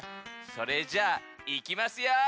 それじゃあいきますよ。